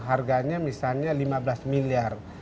harganya misalnya lima belas miliar